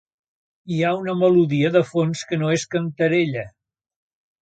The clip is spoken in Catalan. Hi ha una melodia de fons que no és cantarella.